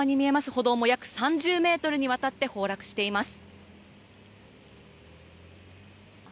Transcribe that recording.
歩道も約３０ｍにわたって崩落しています。